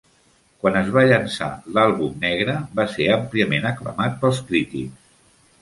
Quan es va llançar l'"àlbum negre", va ser àmpliament aclamat pels crítics.